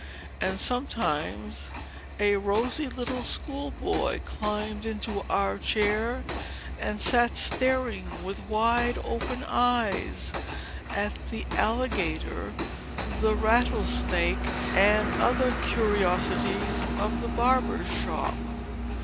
And, sometimes, a rosy little school boy climbed into our chair, and sat staring, with wide open eyes, at the alligator, the rattlesnake, and the other curiosities of the barber's shop.